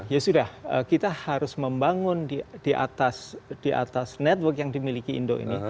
ya sudah kita harus membangun di atas network yang dimiliki indo ini